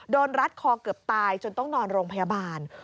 รัดคอเกือบตายจนต้องนอนโรงพยาบาล